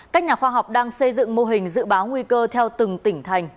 các nhà khoa học đang xây dựng mô hình dự báo nguy cơ theo từng tỉnh thành